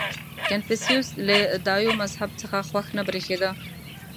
• کنفوسیوس له دایو مذهب څخه خوښ نه برېښېده.